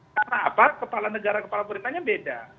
karena apa kepala negara kepala perintahnya beda